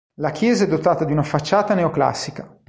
La chiesa è dotata di una facciata neoclassica.